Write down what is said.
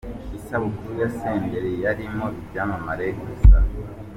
Isabukuru ya Senderi yarimo ibyamamare gusa.